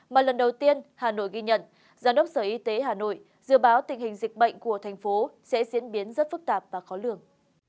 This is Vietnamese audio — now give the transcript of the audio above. mà lần đầu tiên hà nội ghi nhận giám đốc sở y tế hà nội dự báo tình hình dịch bệnh của thành phố sẽ diễn biến rất phức tạp và khó lường